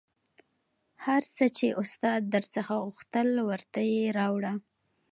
هر څه چې استاد در څخه غوښتل ورته یې راوړه